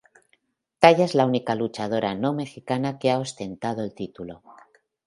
Taya es la única luchadora no mexicana que ha ostentado el título.